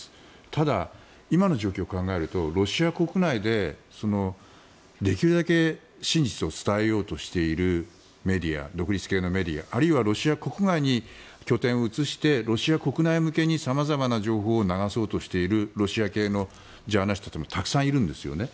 ただ、今の状況を考えるとロシア国内でできるだけ真実を伝えようとしているメディア独立系のメディア、あるいはロシア国外に拠点を移してロシア国内向けに様々な情報を流そうとしているロシア系のジャーナリストもたくさんいるんですよね。